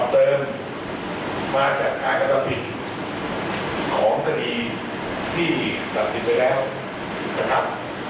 เติมมาจากการกระทำผิดของคดีที่ตัดสินไปแล้วนะครับ